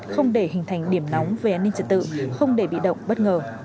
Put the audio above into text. không để hình thành điểm nóng về an ninh trật tự không để bị động bất ngờ